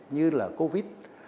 như là covid